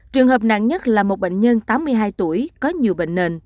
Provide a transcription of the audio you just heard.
trường hợp nặng nhất là một bệnh nhân tám mươi hai tuổi có nhiều bệnh nền